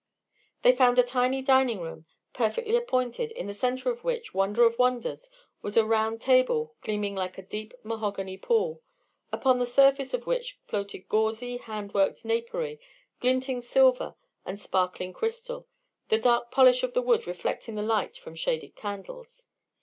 They found a tiny dining room, perfectly appointed, in the centre of which, wonder of wonders, was a round table gleaming like a deep mahogany pool, upon the surface of which floated gauzy hand worked napery, glinting silver, and sparkling crystal, the dark polish of the wood reflecting the light from shaded candles.